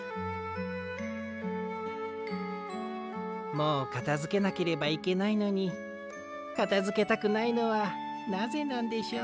もうかたづけなければいけないのにかたづけたくないのはなぜなんでしょう？